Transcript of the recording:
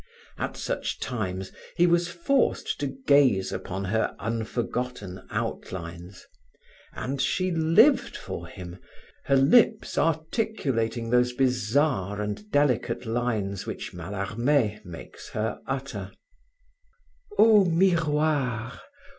At such times he was forced to gaze upon her unforgotten outlines; and she lived for him, her lips articulating those bizarre and delicate lines which Mallarme makes her utter: O miroir!